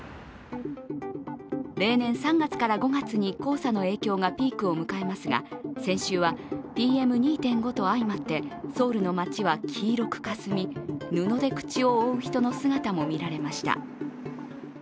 例年３月から５月に黄砂の影響がピークを迎えますが、先週はＰＭ２．５と相まって、ソウルの街は黄色くかすみ布で口を覆う人の姿も見られました。